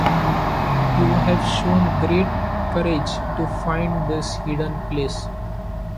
You have shown great courage to find this hidden place.